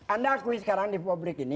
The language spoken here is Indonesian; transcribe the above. anda akui sekarang di publik ini